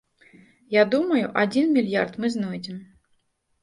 Я думаю, адзін мільярд мы знойдзем.